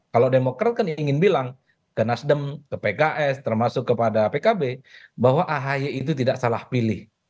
kalau demokrat kan ingin bilang ke nasdem ke pks termasuk kepada pkb bahwa ahy itu tidak salah pilih